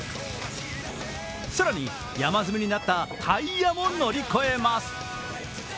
更に山積みになったタイヤも乗り越えます。